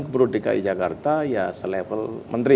gubernur dki jakarta ya selevel menteri